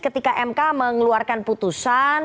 ketika mk mengeluarkan putusan